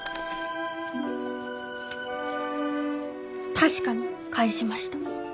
確かに返しました。